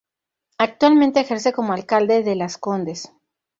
Actualmente ejerce como alcalde de Las Condes.